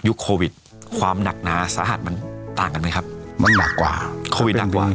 โควิดความหนักหนาสาหัสมันต่างกันไหมครับมันหนักกว่าโควิดหนักกว่า